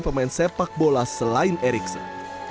pemain sepak bola selain ericson